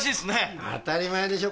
当たり前でしょ。